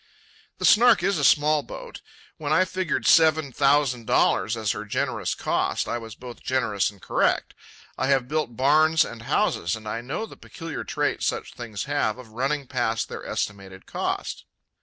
The Snark is a small boat. When I figured seven thousand dollars as her generous cost, I was both generous and correct. I have built barns and houses, and I know the peculiar trait such things have of running past their estimated cost.